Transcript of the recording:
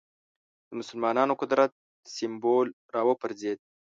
د مسلمانانو قدرت سېمبول راوپرځېد